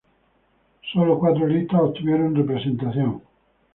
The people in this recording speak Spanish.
Solo cuatro listas obtuvieron representación.